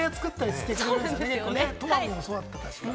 トマムもそうだった、確か。